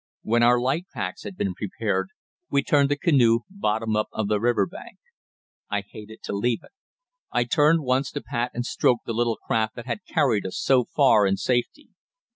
When our light packs had been prepared, we turned the canoe bottom up on the river bank. I hated to leave it. I turned once to pat and stroke the little craft that had carried us so far in safety.